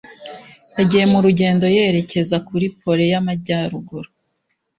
Yagiye mu rugendo yerekeza kuri Pole y'Amajyaruguru